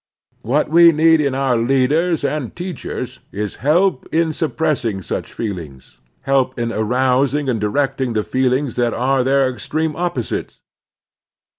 What we need in our leaders and teachers is help in suppressing such feelings, help in arousing and directing the feelings that are their extreme opposites.